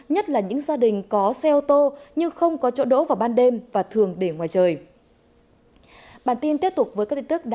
nhất là những gia đình có xe ô tô nhưng không có chỗ đỗ vào ban đêm và thường để ngoài trời